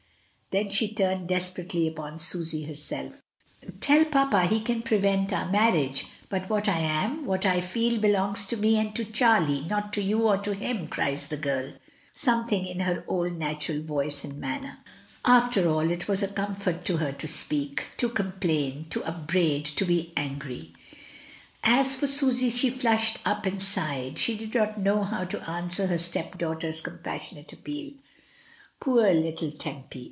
Then she turned desperately upon Susy herself: "Tell papa he can prevent our marriage, but what I am, what I feel, belongs to me and to Charlie — not to you or to him," cries the girl, some thing in her old natural voice and manner. i6» 244 l^I^* DYMOND. After all, it was a comfort to her to speak — ^to complain, to upbraid, to be angry. As for Susy, she flushed up and sighed, she did not know how to answer her stepdaughter's pas sionate appeal. Poor little Tempy!